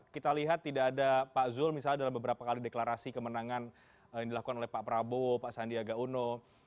kita lihat tidak ada pak zul misalnya dalam beberapa kali deklarasi kemenangan yang dilakukan oleh pak prabowo pak sandiaga uno